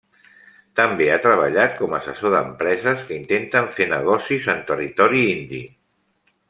També ha treballat com a assessor d'empreses que intenten fer negocis en territori indi.